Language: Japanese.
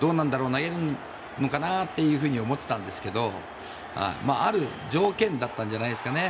投げるのかなと思ってたんですがある条件だったんじゃないですかね。